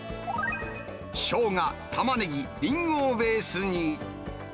しょうが、たまねぎ、リンゴをベースに。